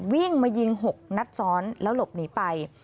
วิ่งมายิง๖นัดซ้อนแล้วหลบหนีไป